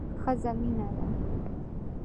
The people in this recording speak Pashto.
ښځه مينه ده